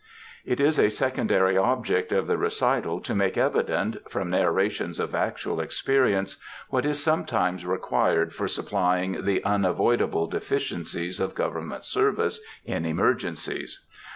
It is a secondary object of the recital to make evident, from narrations of actual experience, what is sometimes required for supplying the unavoidable deficiencies of government service in emergencies.